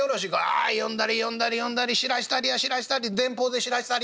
「ああ呼んだり呼んだり知らしたりや知らしたり電報で知らしたり！」。